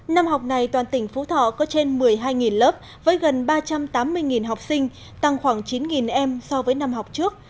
năm học này toàn tỉnh phú thọ có trên một mươi hai lớp với gần ba trăm tám mươi học sinh tăng khoảng chín em so với năm học trước